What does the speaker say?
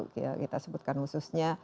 kita sebutkan khususnya